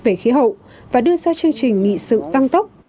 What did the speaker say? về khí hậu và đưa ra chương trình nghị sự tăng tốc